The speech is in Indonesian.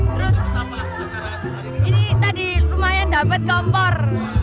terus ini tadi lumayan dapet kompor